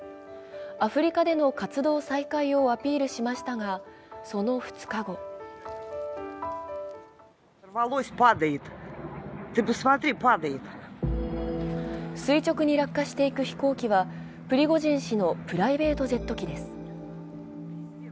アフリカでの活動再開をアピールしましたが、その２日後垂直に落下していく飛行機は、プリゴジン氏のプライベートジェット機です。